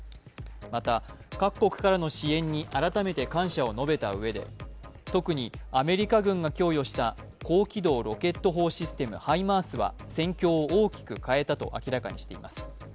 また、各国からの支援に改めて感謝を述べたうえで特にアメリカ軍が供与した高機動ロケット砲システムハイマースは戦況を大きく変えたと明らかにしています。